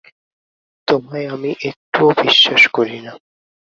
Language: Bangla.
তোমায় আমি একটুও বিশ্বাস করি না।